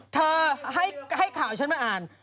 เธอให้ข่าวฉันมาอ่าน